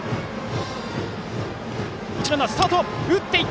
一塁ランナー、スタート！